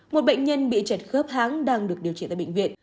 một bệnh nhân bị chẹt khớp háng đang được điều trị tại bệnh viện